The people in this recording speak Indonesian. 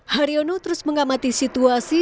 haryono terus mengamati situasi